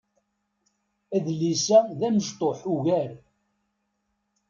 Adlis-a d amecṭuḥ ugar.